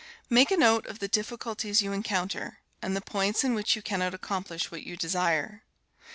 Make a note of the difficulties you encounter, and the points in which you cannot accomplish what you desire.